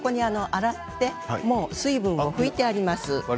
洗って水分を拭いてあります。